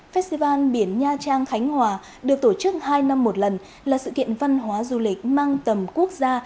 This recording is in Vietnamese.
festival biển nha trang khánh hòa được tổ chức hai năm một lần là sự kiện văn hóa du lịch mang tầm quốc gia